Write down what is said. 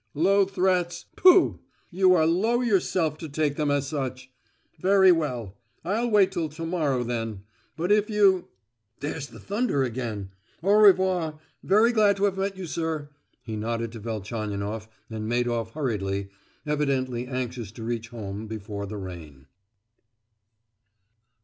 "Low threats? pooh! You are low yourself to take them as such. Very well, I'll wait till to morrow then; but if you—there's the thunder again!—au revoir—very glad to have met you, sir." He nodded to Velchaninoff and made off hurriedly, evidently anxious to reach home before the rain.